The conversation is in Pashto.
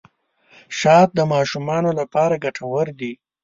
شات د ماشومانو لپاره ګټور دي.